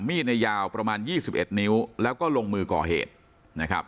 มีดในยาวประมาณ๒๑นิ้วแล้วก็ลงมือก่อเหตุนะครับ